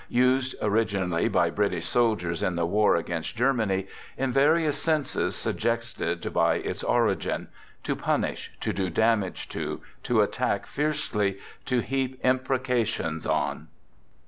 ] Used (originally by British soldiers in the war against Germany) in various senses suggested by its origin: To punish; to do damage to; to attack fiercely; to heap im precations on.